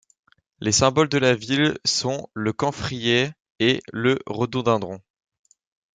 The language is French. Les symboles de la ville sont le camphrier et le rhododendron.